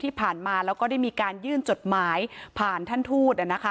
ที่ผ่านมาแล้วก็ได้มีการยื่นจดหมายผ่านท่านทูต